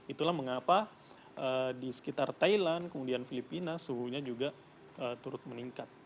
itulah mengapa di sekitar thailand kemudian filipina suhunya juga turut meningkat